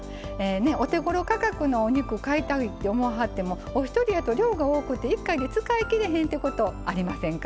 お手ごろ価格のお肉買いたいって思わはってもお一人やと量が多くって１回で使い切れへんってことありませんか？